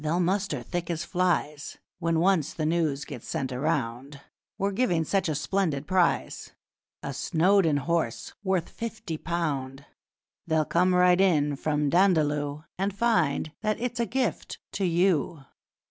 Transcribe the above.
They'll muster thick as flies When once the news gets sent around We're giving such a splendid prize A Snowdon horse worth fifty pound! They'll come right in from Dandaloo, And find that it's a gift to you!'